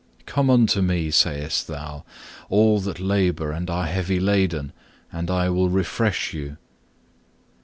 Come unto Me, sayest Thou, all that labour and are heavy laden, and I will refresh you.